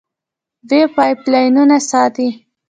دوی پایپ لاینونه ساتي.